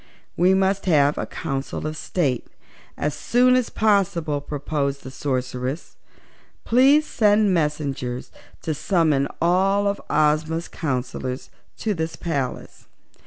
"We must have a Council of State as soon as possible," proposed the Sorceress. "Please send messengers to summon all of Ozma's counsellors to this palace.